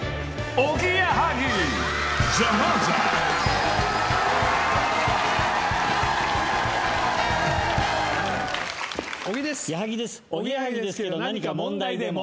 おぎやはぎですけど何か問題でも？